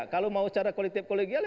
kalau mau secara kolektif kolegial